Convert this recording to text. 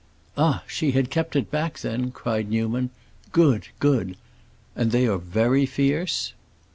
"Ah, she had kept it back, then?" cried Newman. "Good, good! And they are very fierce?"